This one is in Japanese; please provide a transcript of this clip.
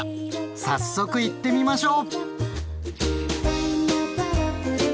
早速いってみましょう！